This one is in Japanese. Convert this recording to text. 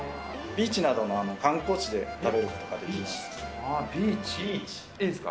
ビーチなどの観光地で食べることができます。